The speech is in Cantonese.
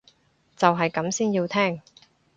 就係咁先要聽